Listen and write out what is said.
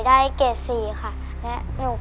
ตัวเลือกที่๔รสชนต้นไม้